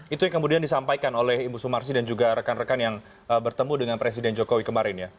itu yang kemudian disampaikan oleh ibu sumarsi dan juga rekan rekan yang bertemu dengan presiden jokowi kemarin ya